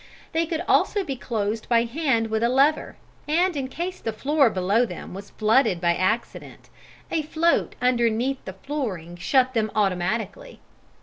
They could also be closed by hand with a lever, and in case the floor below them was flooded by accident, a float underneath the flooring shut them automatically.